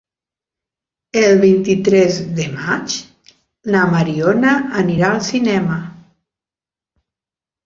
El vint-i-tres de maig na Mariona anirà al cinema.